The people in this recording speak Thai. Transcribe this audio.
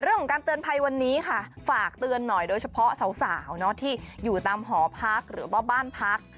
เรื่องของการเตือนภัยวันนี้ค่ะฝากเตือนหน่อยโดยเฉพาะสาวที่อยู่ตามหอพักหรือว่าบ้านพัก